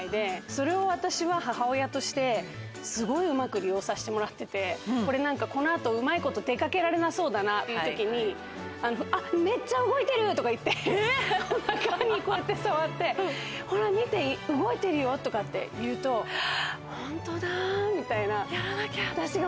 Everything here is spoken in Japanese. それを私は母親としてすごいうまく利用させてもらってて、この後、うまいこと出かけられなそうだなっていうときに、あっ、めっちゃ動いてる！とか言って、触って、ほら見て、動いてるよ！とかって言うと、本当だぁ！